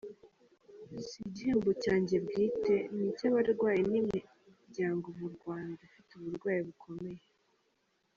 Si igihembo cyanjye bwite, ni icy’abarwayi n’imiyango mu Rwanda ifite uburwayi bukomeye.